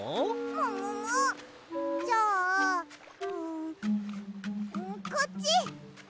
ももも！？じゃあんこっち！